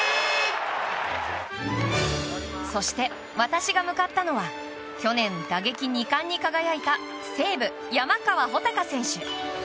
そして、私が向かったのは去年、打撃二冠に輝いた西武、山川穂高選手。